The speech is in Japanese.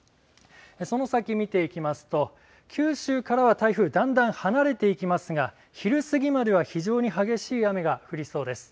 その先見ていきますと九州からは台風だんだん離れていきますが昼過ぎまでは非常に激しい雨が降りそうです。